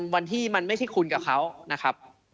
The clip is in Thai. วันที่มันไม่ใช่คุณกับเขานะครับ